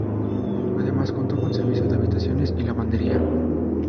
Además contó con servicio de habitaciones y lavandería.